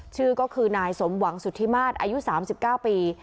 ชื่อก็คือนายสมหวังสุธิมาตรอายุ๓๙ปี